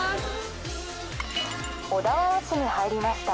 小田原市に入りました。